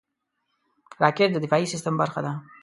راکټ د دفاعي سیستم برخه ده